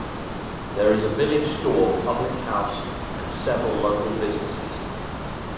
There is a village store, public house and several local businesses.